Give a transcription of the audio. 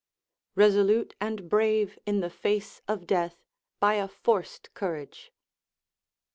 ["Resolute and brave in the face of death by a forced courage.